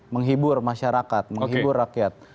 menghibur masyarakat menghibur rakyat